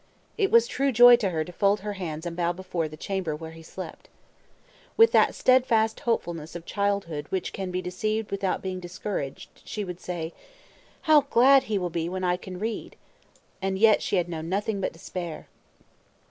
It was true joy to her to fold her hands and bow before the chamber where he slept. With that steadfast hopefulness of childhood which can be deceived without being discouraged, she would say, "How glad he will be when I can read!" and yet she had known nothing but despair.